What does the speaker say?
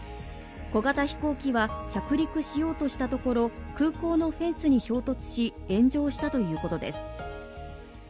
小型飛行機は着陸しようとしたところ、空港のフェンスに衝突し炎上したということです。